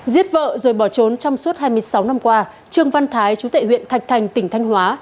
giết vợ rồi bỏ trốn trong suốt hai mươi sáu năm qua trương văn thái chú tệ huyện thạch thành tỉnh thanh hóa